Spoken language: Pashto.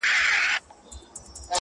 o وي لكه ستوري هره شــپـه را روان،